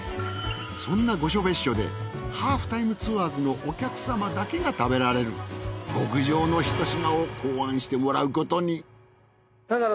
そんな御所別墅で『ハーフタイムツアーズ』のお客様だけが食べられる極上の一品を考案してもらうことに。